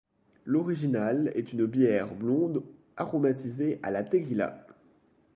L'originale est une bière blonde aromatisée à la tequila.